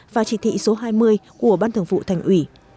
và chỉ thị số hai mươi của ban thường vụ thành ủy